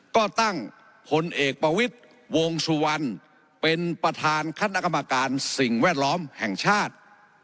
ก็ตั้งพลเอกประวิทย์วงสุวรรณเป็นประธานคณะกรรมการสิ่งแวดล้อมแห่งชาติ